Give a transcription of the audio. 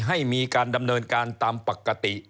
ให้มีการดำเนินการตามปกติ